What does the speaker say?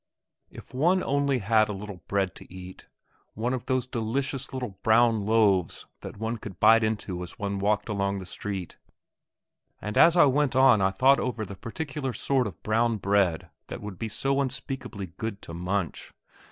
If one only had a little bread to eat; one of those delicious little brown loaves that one could bite into as one walked along the street; and as I went on I thought over the particular sort of brown bread that would be so unspeakably good to munch.